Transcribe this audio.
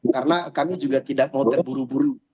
karena kami juga tidak mau terburu buru